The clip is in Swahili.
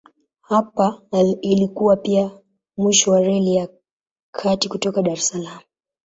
Hapa ilikuwa pia mwisho wa Reli ya Kati kutoka Dar es Salaam.